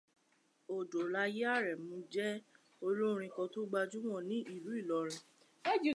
Odòlayé Àrẹ̀mú jẹ́ olórin kan tó gbajumọ̀ ní ìlú Ìlọrin